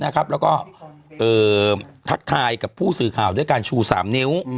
แล้วก็ทักทายกับผู้สื่อข่าวด้วยการชู๓นิ้ว